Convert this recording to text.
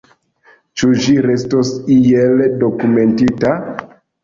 Ĉu ĝi restos iel dokumentita?